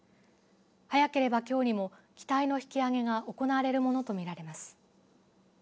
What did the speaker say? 早ければきょうにも機体の引きあげが行われるものと見られます。